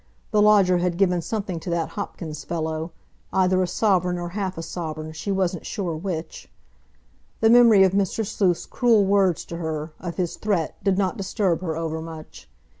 The lodger had given something to that Hopkins fellow—either a sovereign or half a sovereign, she wasn't sure which. The memory of Mr. Sleuth's cruel words to her, of his threat, did not disturb her overmuch.